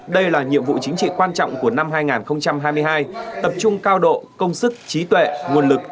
đây là nhiệm vụ chính trị quan trọng của năm hai nghìn hai mươi hai tập trung cao độ công sức trí tuệ nguồn lực